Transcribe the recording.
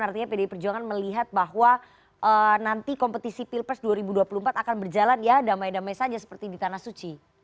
artinya pdi perjuangan melihat bahwa nanti kompetisi pilpres dua ribu dua puluh empat akan berjalan ya damai damai saja seperti di tanah suci